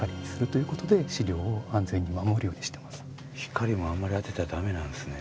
光もあんまり当てたらダメなんですね。